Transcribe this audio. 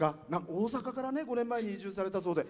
大阪から５年前に移住されたそうで。